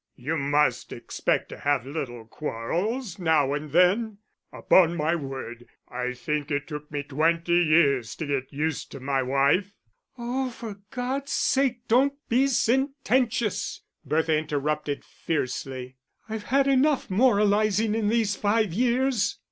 You must expect to have little quarrels now and then; upon my word, I think it took me twenty years to get used to my wife." "Oh, for God's sake, don't be sententious," Bertha interrupted, fiercely. "I've had enough moralising in these five years.